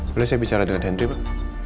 boleh saya bicara dengan henti pak